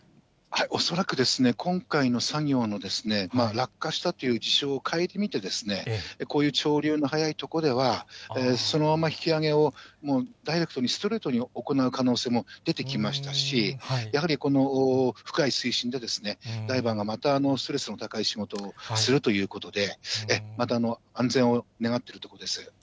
恐らく、今回の作業の落下したという事象を顧みて、こういう潮流の速い所では、そのまま引き揚げをダイレクトに、ストレートに行う可能性も出てきましたし、やはりこの深い水深でダイバーがまたストレスの高い仕事をするということで、また安全を願っているところです。